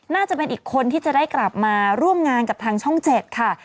น่าจะเป็นอีกคนที่จะได้กลับมาร่วมงานกับทางช่อง๗ค่ะ